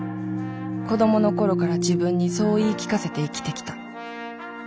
子どもの頃から自分にそう言い聞かせて生きてきた。